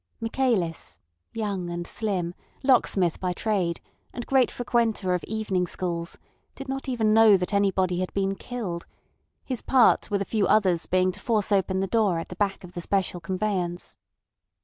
Michaelis, young and slim, locksmith by trade, and great frequenter of evening schools, did not even know that anybody had been killed, his part with a few others being to force open the door at the back of the special conveyance.